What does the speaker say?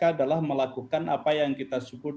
adalah melakukan apa yang kita sebut